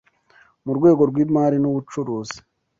mu rwego rw’imari n’ubucuruzi